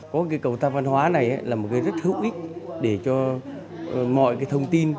có cái cầu tăng văn hóa này là một cái rất hữu ích để cho mọi cái thông tin